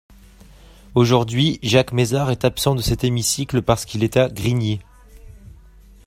Aujourd’hui, Jacques Mézard est absent de cet hémicycle parce qu’il est à Grigny.